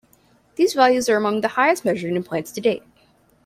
These values are among the highest measured in plants to date.